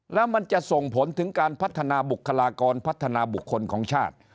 แล้วมันจะส่งผลถึงการพัฒนาบุคลากรพัฒนาบุคคลของชาติ